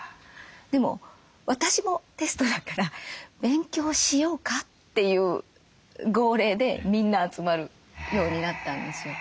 でも私もテストだから「勉強しようか」っていう号令でみんな集まるようになったんですよ。